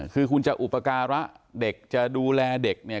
คือคุณจะอุปการะเด็กจะดูแลเด็กเนี่ย